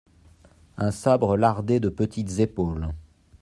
Un sabre lardait de petites épaules.